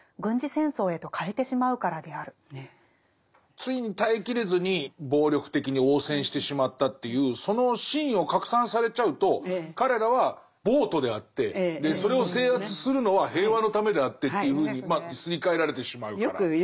ついに耐え切れずに暴力的に応戦してしまったっていうそのシーンを拡散されちゃうと彼らは暴徒であってそれを制圧するのは平和のためであってっていうふうにすり替えられてしまうから。